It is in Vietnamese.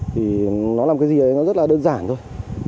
thì nó làm cái gì đấy nó rất là đơn giản thôi